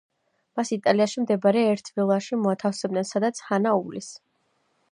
მას იტალიაში მდებარე ერთ ვილაში მოათავსებენ, სადაც ჰანა უვლის.